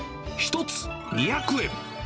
１つ２００円。